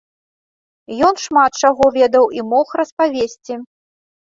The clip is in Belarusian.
Ён шмат чаго ведаў і мог распавесці.